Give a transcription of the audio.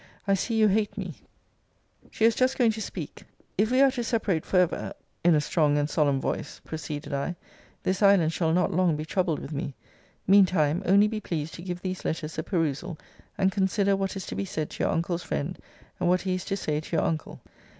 I see you hate me * See Vol. IV. Letters XXIX. and XXXIV. She was just going to speak If we are to separate for ever, in a strong and solemn voice, proceeded I, this island shall not long be troubled with me. Mean time, only be pleased to give these letters a perusal, and consider what is to be said to your uncle's friend, and what he is to say to your uncle.